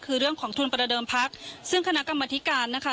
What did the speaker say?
คือเรื่องของทุนประเดิมพักซึ่งคณะกรรมธิการนะคะ